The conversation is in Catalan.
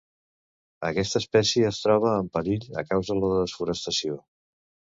Aquesta espècie es troba en perill a causa de la desforestació.